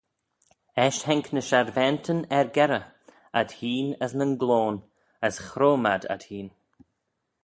Eisht haink ny sharvaantyn er-gerrey, ad-hene as nyn gloan, as chroym ad ad-hene.